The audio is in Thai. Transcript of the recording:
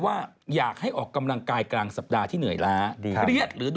ให้ทุกคนเนี่ยมาร่วมสนุกกันกลางสัปดาห์ที่เหนื่อยแล้ว